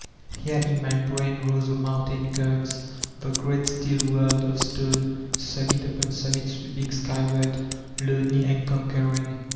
Here in my brain rose the mountain curves, the great still world of stone, summit upon summit sweep ing skyward, lonely and conquering.